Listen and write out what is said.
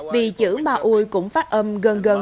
vì chữ maui cũng phát âm gần gần